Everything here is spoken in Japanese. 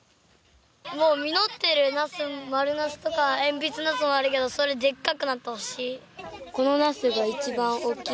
もう実ってるナス丸ナスとかえんぴつナスもあるけどそれでっかくなってほしい。